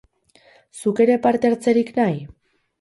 Zuk ere parte hartzerik nahi?